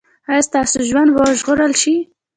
ایا ستاسو ژوند به وژغورل شي؟